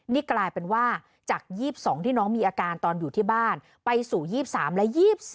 นี่กลายเป็นว่าจาก๒๒ที่น้องมีอาการตอนอยู่ที่บ้านไปสู่๒๓และ๒๔